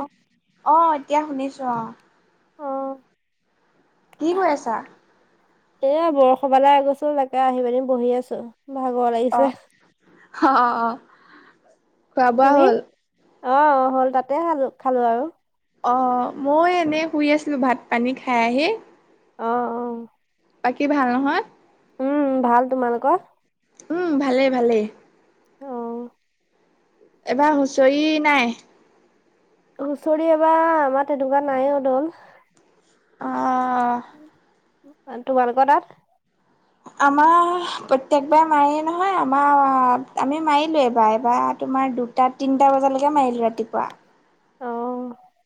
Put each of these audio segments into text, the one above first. অ অ এতিয়া শুনিছো আহ উম কি কৈ আছা এয়া বৰসবালে গৈছো তাকে আহি পানি বহি আছো ভাগৰ অ লাগিছে অ অ খোৱাবোৱা হ'ল অ অ হ'ল তাতে খালো খালো আৰু অ মই এনে শুই আছিলো ভাত পানী খাই আহি অ অ বাকী ভাল নহয় উম উম ভাল তোমালোকৰ উম ভালে ভালেই অ', এবাৰ হুঁচৰি নাই হুঁচৰি এবাৰ আমাৰ তেনেকুৱা নাই অ দল অহ তোমালোকৰ তাত আমাৰ প্ৰত্যেকবাৰে মাৰেই নহয় আমাৰ আমি মাৰিলো এবাৰ এবাৰ তোমাৰ দু তাত তিনটা বজালৈকে মাৰিলো ৰাতিপুৱা অ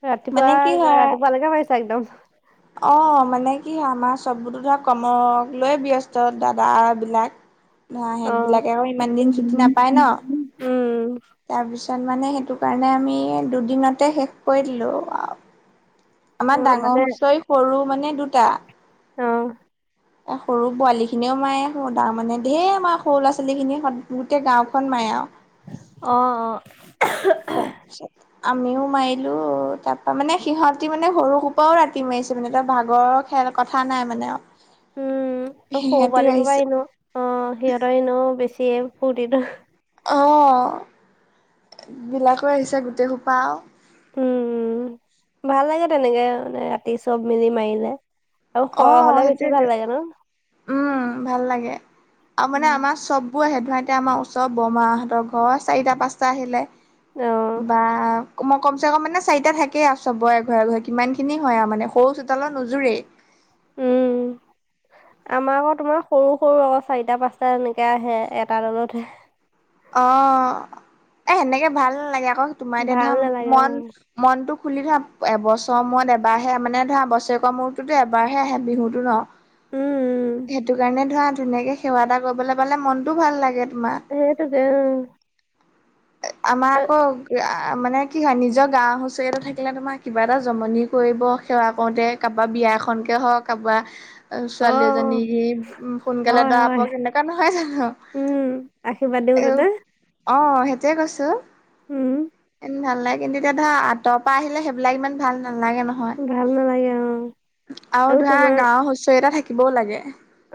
ৰাতিপুৱা মানে কি হয় ৰাতিপুৱালৈকে মাৰিছা একদম অ মানে কি হয় আমাৰ চববো ধৰ কৰ্মক লৈ ব্যস্ত দাদা বিলাক দাহঁত অ'। বিলাকে আৰু ইমান দিন চুটি নাপায় ন উম, তাৰপিছত মানে সেইটো কাৰণে আমি দুদিনতে শেষ কৰি দিলো আও আমাৰ অ', মানে ডাঙৰ হুঁচৰি সৰু মানে দুটা অ সৰু পোৱালিখিনিও মায়ে ডাঙৰ মানে ধেৰ আমাৰ সৰু ল'ৰা ছোৱালীখিনি সত গোটেই গাঁওখন মায়ে আও অ অ হয় পিছে আমিও মাৰিলো তাৰ পৰা মানে সিহঁতি মানে সৰু সোপাও ৰাতি মাৰিছে মানে ত ভাগৰক খেল কথা নাই মানে উম সৰু সিহঁতিও পোৱালি পৰা আহিছে এনো অ সিহঁতৰ এনো বেছি ফুৰ্তিটো অ বিলাকো আহিছে গোটেইসোপা উম উম ভাল লাগে তেনেকে মানে ৰাতি চব মিলি মাৰিলে আৰু সৰহ অ' হলে বেছি সেইটোয়েতো। ভাল লাগে ন উম ভাল লাগে আৰু মানে আমাৰ চববোৰ আহে ধ এতিয়া আমাৰ ওচৰৰ বৰমাহঁতৰ ঘৰৰ চাৰিটা পাঁচটা আহিলে অ', বা মই কমচে কম মানে চাৰিটা থাকেই আৰু চবৰে ঘৰেঘৰে কিমান খিনি হয় আৰু মানে সৰু চোতালৰ নোযোৰেই উম। আমাৰ আক তোমাৰ সৰু সৰু আকৌ চাৰিটা পাঁচটা এনেকে আহে এটা দলতহে অ এ সেনেকে ভাল নালাগে আক তোমাৰ এতিয়া ভাল ধৰা নালাগে অ', মন উম, মনটো খুলি ধৰা এবছৰৰ মূৰত এবাৰহে মানে ধৰা বছৰেকৰ মূৰততো এবাৰহে আহে বিহুটো ন উম, সেইটো কাৰণে ধৰা ধুনীয়াকে সেৱা এটা কৰিবলৈ পালে মনটোও ভাল লাগে তোমাৰ সেইটোৱেতো অ আমাৰ আক এ মানে কি হয় নিজৰ গাঁও হুঁচৰি এটা থাকিলে তোমাৰ কিবা এটা জমনি কৰিব সেৱা কৰোঁতে কাৰোবাৰ বিয়া এখনকে হওক কাৰোবাৰ ছোৱালী এজনী অ', সি সোনকালে হয়, দৰা হয়, পাওক এনেকুৱা নহয় জানো উম আশীৰ্বাদ দিব এ তাতে অ সেইটোয়ে কৈছো উম এনে ভাল লাগে কিন্তু এতিয়া ধৰা আতৰ পৰা আহিলে সেইবিলাক ইমান ভাল নালাগে ন ভাল নালাগে অ', হয় আৰু ধৰা গাঁওৰ হুচৰি এটা থাকিবও লাগে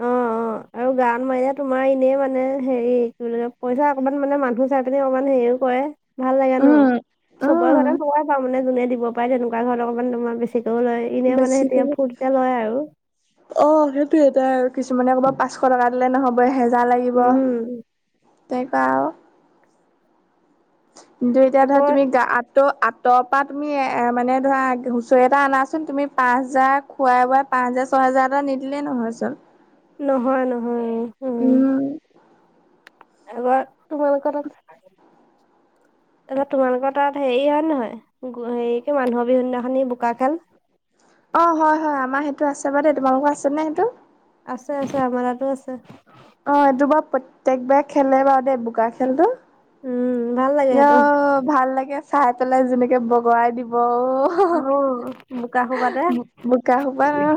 অ', অ', আৰু গাঁৱত মাৰিলে তোমাৰ এনেই মানে হেৰি কি বুলি কয় পইচা অকণমান মানে মানুহ চাই পিনে অকণমান হেৰিও কৰে ভাল লাগে ন উম চবৰে উম ঘৰত সোমাই পাওঁ মানে যোনে দিব পাৰে তেনেকুৱা ঘৰত অকণমান তোমাৰ বেছিকেও লয় এনে মানে বেছিকে এতিয়া ফুৰ্তিতে লয় আৰু অ সেইটোয়ে এতিয়া আৰু কিছুমানে ক'ব পাঁচশ টকা দিলে নহব এহে জাৰ লাগিব উম তেনেকুৱা আৰু দুইটা এতিয়া ধৰা আকৌ তুমি গা আত ত' আঁতৰ পৰা তুমি এ মানে ধৰা হুঁচৰি এটা আনাচোন তুমি পাঁচ হাজাৰ খোৱাই বোৱাই পাঁচ হাজাৰ ছহেজাৰ এটা নিদিলে নহয় চোন নহয় নহয় উম এবাৰ তোমালোকৰ তাত [unintelligible] এবাৰ তোমালোকৰ তাত হেৰি হয় নহয় হেৰি কি মানুহৰ বিহু দিনাখনি বোকা খেল অঁ হয় হয় আমাৰ সেইটো আছে বাৰু দেই তোমালোকৰ আছেনে সেইটো আছে আছে আমাৰা তাতো আছে অ' এইটো বাৰু প্ৰত্যেকবাৰে খেলে বাৰু দেই বোকা খেলটো উম ভাল লাগে ইঅ সেইটো ভাল লাগে চাই পেলাই যেনেকে বগুৱাই দিব অ অ বোকা খোপা তে বোকা সোপা অ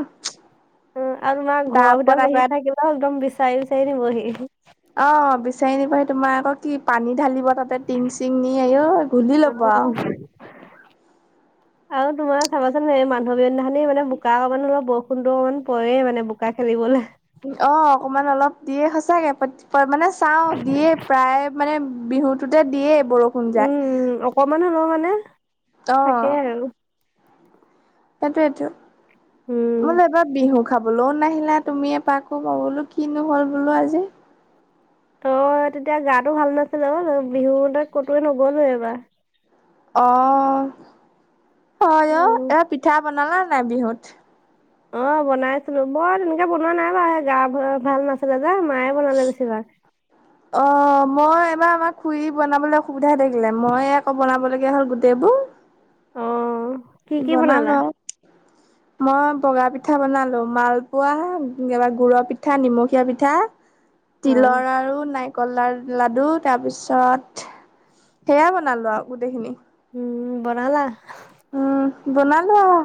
উম আৰু তোমাৰ তাৰ ঘৰৰ ভিতৰত ওপৰত আহি সোমাই থাকিবা একদম বিচাৰি বিচাৰি নিবহি। অ বিচাৰি নিব তোমাৰ আকৌ কি পানী ঢালিব তাত। ত টিং চিং নি আঐ ঘূলি লবা আও অ', আৰু তোমাৰ চাবাচোন সেই মানুহৰ বিহু দিনাখনি মানে বোকা অকমান অলপ বৰষুণটো অকণমান পৰে মানে বোকা খেলিবলে অ অকমান অলপ দিয়ে সচাকে মানে চাওঁ দিয়ে প্ৰায়। মানে বিহুতোতে দিয়ে বৰষুণ যাক। উম, উম, অকমান হলেও মানে থাকেই আৰু সেইটোয়েটো উম, মই বোলো এইবাৰ বিহু খাবলৈও নাহিলা তুমিয়ে এপাকো মই বোলো কিনোহ'ল বোলো আজি তই তেতিয়া গাটো ভাল নাছিল অ বিহু ত কটোৱা নগ'লো এবাৰ অ হয় অ উম, এটা পিঠা বনালা নাই বিহুত অ' বনাইছিলো মই তেনেকে বনোৱা নাই বাৰু গা ভাল নাছিলে যে মায়ে বনালে বেছিভাগ। অ মই এইবাৰ আমাৰ খুৰী বনাবলৈ অসুবিধা হৈ থাকিলে মইে আকৌ বনাব লগীয়া হ'ল গোটেইবোৰ অ', কি কি বনালা? বনালো আও মই বগা পিঠা বনালো মালপোৱা গুড়ৰ পিঠা নিমখীয়া পিঠা অ', তিলৰ আৰু নাই। কলাৰ লাডু তাৰ পিছত সেয়া বনালো আৰু গোটেইখিনি। উম বনালা। উম বনালো আও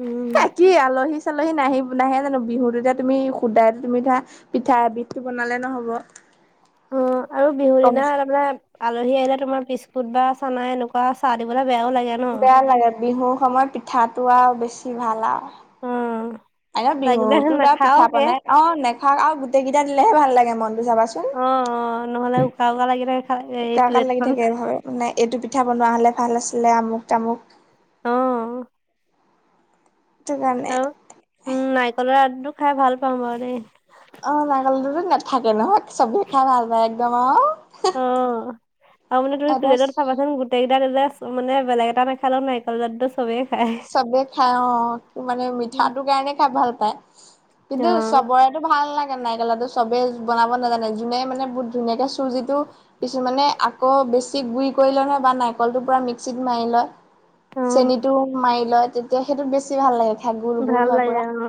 উম, বাকী আলহী আলহি চালহী নাহি নাহে জানো বিহুত এতিয়া তুমি শুদা তুমি ধৰা পিঠা এবিধটো বনালে নহ'ব। অ আৰু বিহুৰ কম দিনা তাৰমানে আলহী আহিলে তোমাৰ বিস্কুট বা চানা এনেকুৱা চাহ দিবলৈ বেয়াও লাগে ন বেয়া লাগে বিহুৰ সময়ত পিঠাটো আৰু বেছি ভাল আও [unintelligible] আ লাগিলে বিহুতোত আৰু পিঠা নাখাওকে বনাই অ নেখাও আৰু গোটেই কেইটা দিলেহে ভাল লাগে মনতো চাবাচোন। অ' অ' নহ'লে উকা উকা লাগি থাকে এই প্লেটখন নাই এইটো পিঠা বনোৱা হলে ভাল আছিলে আমুক তামুক অ সেইটো কাৰণে আৰু উম নাৰিকলৰ লাডটো খাই ভাল পাওঁ বাৰু দেই। অ লাডুতো নাথাকে ন চবেই খাই ভাল পায় একদম আও অ আৰু মানে তুমি প্লেটত খাবাচোন গোটেইকেইটা মানে বেলেগ এটা নাখালেও নাৰিকল লাডুটো চবেই খায়। চবে খাই অ কি মানে উম। মিঠাটোৰ কাৰণে খাই ভাল পায় অ কিন্তু চবৰে, ভাল লাগে নাইকল লাডুটো চবেই বনাব নাজানে যোনে মানে বহুত ধুনীয়াকে চুজিটো কিছুমানে আকৌ বেছি গুৰি কৰি লয় নহয় বা নাৰিকলটো পুৰা মিক্সিত মাৰি লয়। অ চেনীতটো মাৰি লয় তেতিয়া সেইটোত বেছি ভাল লাগে। খাই গোল গোল ভাল হয় লাগে পুৰা অ,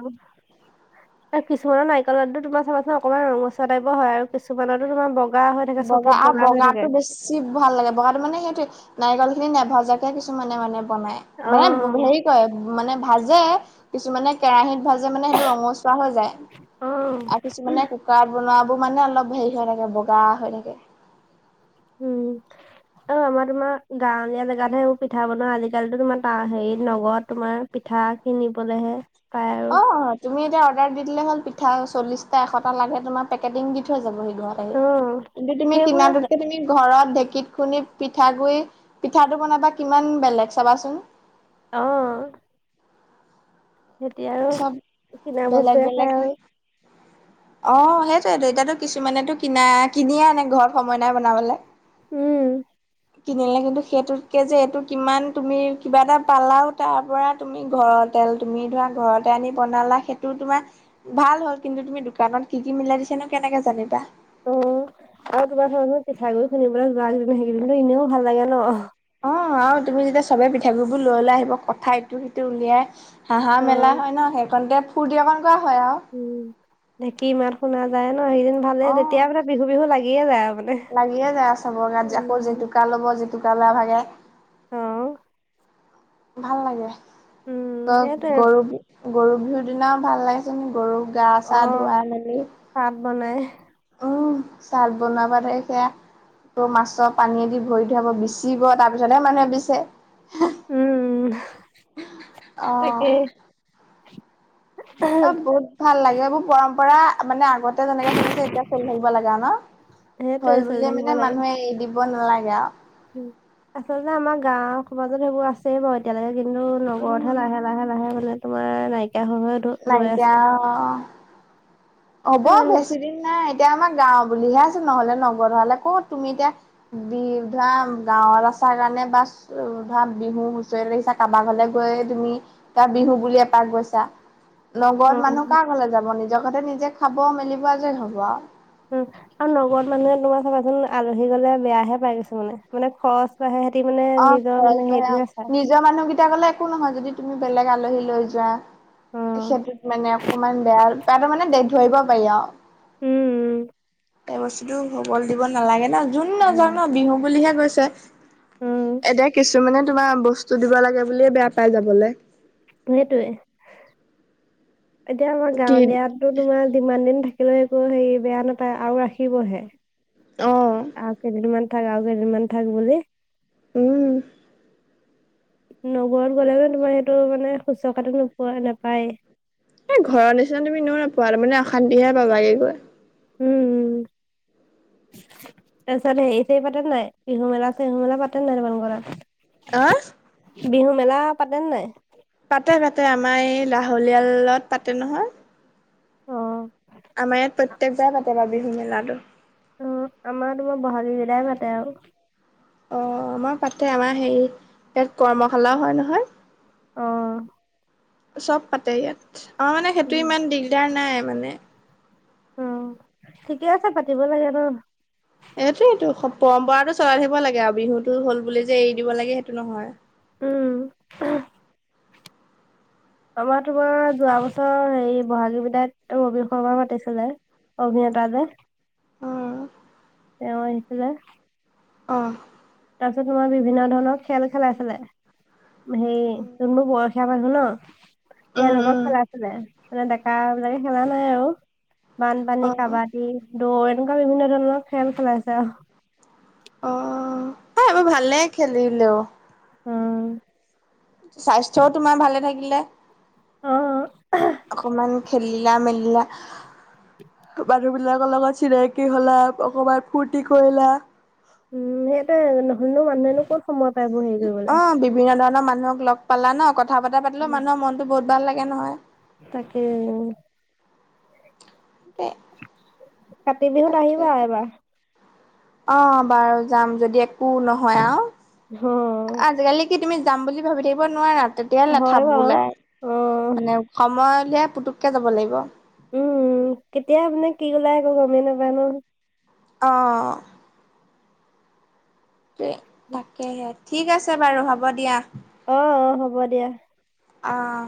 আৰু কিছুমানৰ নাৰিকলৰ লাডুতো তোমাৰ চাবাচোন অকমান ৰঙচোৱা টাইপৰ হয় আৰু কিছুমানতো তোমাৰ ব বগা হৈ থাকে চফিত বগা হৈ থেকে। যিড়ভাল লাগে বগাতো মানে সেইটোয়ে নাৰিকল খিনি নাভাজাকে, কিছুমানে মানে বনাই অ মানে হেৰি কয় মানে ভাজে কিছুমানে কেৰাহীত ভাজে মানে সেইটো ৰঙচুৱা হৈ অ যায়। কিছুমানে কুকাৰত বনাবোৰ মানে অলপ হেৰি হৈ থাকে বগা হৈ থাকে। উম [inaudible] আৰু আমাৰ তোমাৰ গাঁৱলীয়া জেগাতহেবোৰ পিঠা বনোৱা আজিকালিতো তোমাৰ হেৰিত নগৰত তোমাৰ পিঠা কিনিবলেহে, পায় আৰু অ তুমি এতিয়া অৰ্ডাৰ দি দিলে হ'ল পিঠা চল্লিছটা এশটা লাগে তোমাৰ পেকেটিং দি থৈ যাব সি, অ কিন্তু তুমি সেইবোৰ কিনাটোতকে তুমি ঘৰত ঢেঁকীত খুন্দি পিঠা গুৰি পিঠাটো বনাবা কিমান বেলেগ চাবাচোন। অ তেতিয়া আৰু চব কিনা বেলেগ বস্তুৱে খাই বেলেগ। আৰু অ সেইটোয়েত এতিয়া কিছুমানেতো কিনা কিনিয়ে আনে ঘৰত সময় নাই বনাবলে। উম, কিনিলে কিন্তু সেইটোতকে যে এইটো কিমান তুমি কিবা এটা পালাও তাৰ পৰা। তুমি ঘৰতেল তুমি ধৰা ঘৰতে আনি বনালা সেইটো তোমাৰ। ভাল হল কিন্তু তুমি দোকানত কি কি মিলাই দিছা নো কেনেকে জানিবা। অ আৰু তোমাৰ ঘত মই পিঠাগুৰি খুনিবলৈ যোৱা কেইদিন সেই কেইদিন এনেও ভাল লাগে ন, অ আৰু তুমি যেতিয়া চবে পিঠাগুৰি বোৰ লৈ লৈ আহিব কথা ইটো সিটো উলিয়াই। হাঁহা মেলা হয় ন সেইখনণতে ফূৰ্তিঅকন কৰা হয় আৰু উম ঢেকি মাত শুনা যায় ন সেইদিন ভালে তেতিয়া অ'। মানে বিহু বিহু লাগিয়ে যায় আৰু মানে। যায় চ বৰ গাত আকৌ উম জেতুকা ল'ব জেতুকা লোৱা ভাগে অ ভাল লাগে উম তই সেইটোৱে গৰু বি গৰু বিহুৰ দিনাও ভাল লাগে চোন গৰুক গা অ চা ধুৱাই মেলি ভাত বনাই উম চাহ বনাবা দেই সেয়া ত মাছৰ পানীয়েদি ভৰি থৰাব বিচিব তাৰ পিছতহে মানুহে বিছে। উম অ তাকে। ত বহুত ভাল লাগে এইবোৰ পৰম্পৰা মানে আগত এতিয়া যেনেকে চলাইছে এতিয়া চেল থাকিব লগা ন সেইটোৱে হল চলি বুলিয়ে থাকিব মানে মানুহে এৰি দিব দিব নালাগে আৰু। উ আচলতে আমাৰ গাওৰ সমাজত সেইবোৰ আছে। আ বাৰু এতিয়ালৈকে কিন্তু আৰু নগৰতহে উম লাহে লাহে লাহে মানে তোমাৰ নাইকিয়া হৈ হৈ গৈ নাইকিয়া হ'ব আছে বেছি দিন নাই এতিয়া আমাৰ গাও বুলিহে আছে নহলে নগৰ হলে কত তুমি এতিয়া বিধা গাঁৱত আছা কাৰণে বাচ ভা বিহু হুঁচৰি ৰাছা কাৰোবাক ঘলে গৈ তুমি তাৰ বিহু বুলিয়ে এপাক গৈছা। অ নগৰত মানুহ কাৰ ঘলে যাব নিজৰ ঘতে নিজে খাব মেলিব যে হ'ব আৰু। উম আৰু নগৰত মানুহে তোমাৰ চাবাচোন আলহী গলে বেয়াহে পাই কিছুমানে মানে মানে খৰচ বাঢ়ে। তি মানে অ নিজৰ খৰচ মানে বাঢ়ে অ', হেৰিটোহে চাই। নিজৰ মানুহকেইটা গলে একো নহয় যদি তুমি বেলেগ আলহী লৈ যোৱা অ সেইটোত মানে অকমান বেয়া তাতো মানে দে ধৰিব পাৰি আৰু। উম উম এই বস্তুতটো হবলে দিব নালাগে ন যোন নাযাও ন বিহু বুলিহে গৈছে। এতিয়া কিছুমানে তোমাৰ বস্তু দিব লাগে বুলিয়ে বেয়া পাই যাবলে। সেইটোৱে এতিয়া আমাৰ কি গাঁৱলীয়া টো তোমাৰ যিমান দিন থাকিলে একো হেৰি বেয়া নাপায় আৰু ৰাখিবহে। অ আৰু কেইদিনমান থাক আৰু কেইদিনমান থাক বুলি। উম নগৰত গ'লেও নে তোমাৰ সেইটো মানে শুশ্ৰূষাটো নোপোৱা নাপায়। এই ঘৰৰ নিচিনা তুমি এনও নোপোৱা মানে অশান্তিহে পাবাকে গৈ। উম উম তাৰপিছত সেই সেই পাতে নাই বিহু মেলা চেহু মেলা পাতে নাই তোমালোকৰ তাত আহ। বিহু মেলা পাতে নে নাই? পাতে পাতে আমাৰ এই লাহুলিয়ালত পাতে নহয়। অ, আমাৰ ইয়াত প্ৰত্যেক বাইয়ে পাতে বাওঁ বিহু মেলাটো উম আমাৰ তোমাৰ বহাগী বিদায় পাতে আৰু অ আমাৰ পাতে আমাৰ হেৰি ইয়াত কৰ্মশালাও হয় নহয়। অ। চব পাতে ইয়াত আমাৰ মানে সেইটো ইমান দিগদাৰ নাই মানে। উম ঠিকে আছে পাতিব লাগে ন? এইটোয়েইটো পৰম্পৰাতটো চলাই থাকিব লাগে আৰু বিহুতটো হ'ল বুলি যে এৰি দিব লাগে সেইটো নহয়। উম আমাৰ তোমাৰ যোৱা বছৰ হেৰি বহাগী বিদায় ত ৰবি শৰ্মা মাতি ছিলে। অভিনেতা যে। উম তেওঁ আহিছিলে অ। তাৰপিছত তোমাৰ বিভিন্ন ধৰণৰ খেল খেলাইছিলে হেৰি যোন অ বোৰ বয়স [unintelligible] উম তেওঁলোকক উম খেলাই ছিলে মানে ডেকা বিলাকে খেলা নাই আৰু অ বানপানী কাবাডী দৌৰ এনেকুৱা বিভিন্ন ধৰণৰ খেল খেলাইছে আৰু। অ এ এই বোৰ ভালে খেলিলেও। উম স্বাস্থ্যও তোমাৰ ভালে থাকিলে অ অকমান। খেলিলা মেলিলা। মানুহ বিলাকৰ লগত চিনাকি হলা অকমান ফূৰ্তি কৰিলা। উম সেইতোয়ে নহ'লেনো মানুহেনো ক'ত সময়ত। অ বিভিন্ন ধৰণৰ মানুহক লগ পালা ন কথা বতা পাতিলেও মানুহৰ মনতো বহুত ভাল লাগে নহয়। তাকে উম। দেই কাতি বিহুত তাকে আহিবা এবাৰ। অ বাৰু যাম যদি একো নহয় আও। অ আজিকালি কি তুমি যাম বুলি ভাবি থাকিব নোৱাৰা তেতিয়াহ হয় লেঠাবোৰ বাৰু। ওলাই। অ মানে সময় উলিয়াই পুতুককে যাব লাগিব। উম কেতিয়া আপানে কি গললে আকৌ গমেই নাপা ন? অঁ। তাকেহে ঠিক আছে বাৰু হ'ব দিয়া। অ অ হ'ব দিয়া। অঁ।